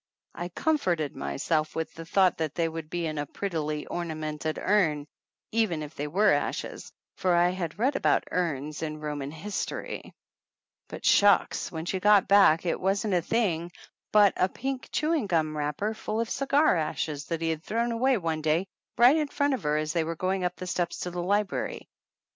I comforted myself with the thought that they would be in a prettily ornamented urn, even if they were ashes, for I had read about urns in Roman history; but 187 THE ANNALS OF ANN shucks ! when she got back it wasn't a thing but a pink chewing gum wrapper full of cigar ashes that he had thrown away one day right in front of her as they were going up the steps to the library.